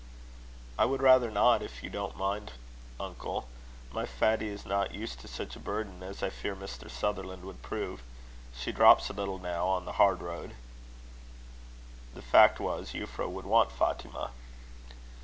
"I would rather not, if you don't mind, uncle. My Fatty is not used to such a burden as I fear Mr. Sutherland would prove. She drops a little now, on the hard road." The fact was, Euphra would want Fatima.